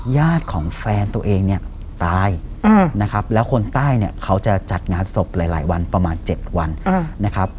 ญาติของแฟนตัวเองเนี่ยตายนะครับแล้วคนใต้เนี่ยเขาจะจัดงานศพหลายวันประมาณ๗วันนะครับ